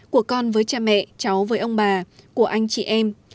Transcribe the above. của con với cha mẹ cháu với ông bà của anh chị em